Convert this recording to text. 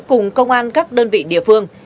cùng công an các đơn vị địa phương